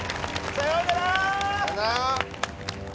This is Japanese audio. さようなら！